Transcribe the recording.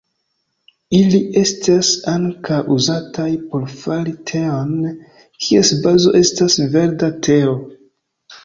Ili estas ankaŭ uzataj por fari teon, kies bazo estas verda teo.